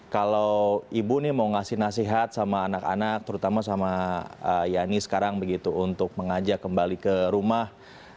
kalau ibu nih mau ngasih nasihat sama anak anak terutama sama yani sekarang begitu untuk mengajak kembali ke rumah